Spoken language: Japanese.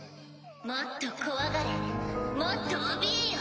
もっと怖がれもっとおびえよ！